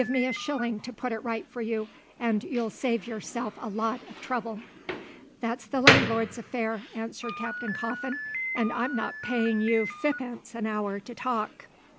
"Give me a shilling to put it right for you, and you'll save yourself a lot of trouble." "That's the landlord's affair," answered Captain Coffin, "and I'm not paying you fippence an' hour to talk.